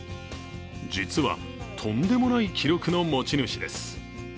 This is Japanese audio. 実は、とんでもない記録の持ち主です。